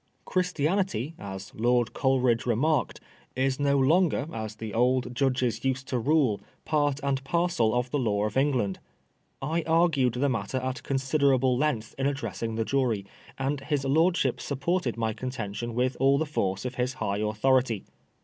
Christianity, as Lord Coleridge re marked, is no longer, as the old judges used to rule, part and parcel of the law of England. I argued the matter at considerable length in addressing the jury, and his lordship supported my contention with all the force of his high authority.